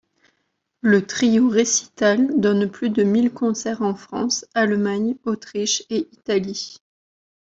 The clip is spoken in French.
Le Trio Récital donne plus de mille concerts en France, Allemagne, Autriche et Italie.